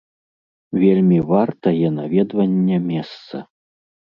Вельмі вартае наведвання месца.